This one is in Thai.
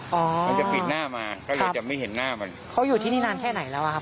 มันจะปิดหน้ามาก็เลยจะไม่เห็นหน้ามันเขาอยู่ที่นี่นานแค่ไหนแล้วอ่ะครับ